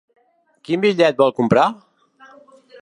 Quin bitllet vol comprar?